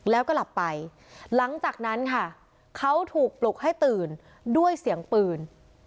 แล้วก็หลับไปหลังจากนั้นค่ะเขาถูกปลุกให้ตื่นด้วยเสียงปืน